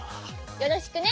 よろしくね！